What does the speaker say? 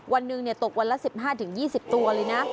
วันหนึ่งตกวันละ๑๕๒๐ตัวเลยนะ